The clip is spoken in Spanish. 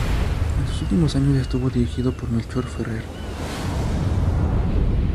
En sus últimos años estuvo dirigido por Melchor Ferrer.